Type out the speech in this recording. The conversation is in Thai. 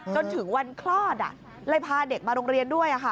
จนถึงวันคลอดเลยพาเด็กมาโรงเรียนด้วย